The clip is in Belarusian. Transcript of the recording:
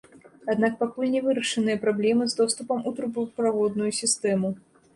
Аднак пакуль не вырашаныя праблемы з доступам у трубаправодную сістэму.